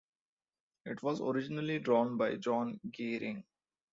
It was originally drawn by John Geering.